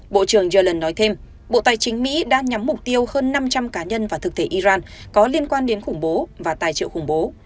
bộ trưởng yellen nói thêm bộ tài chính mỹ đã nhắm mục tiêu hơn năm trăm linh cá nhân và thực thể iran có liên quan đến khủng bố và tài trợ khủng bố